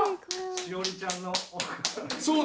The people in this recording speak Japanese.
栞里ちゃんの。